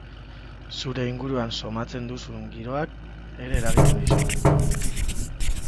Zure inguruan somatzen duzun giroak ere eragiten dizu.